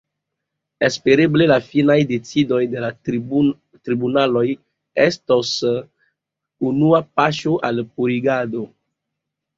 Espereble la finaj decidoj de la tribunaloj estos unua paŝo al purigado.